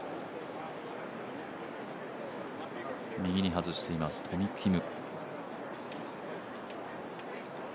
右に外しています、トム・キム。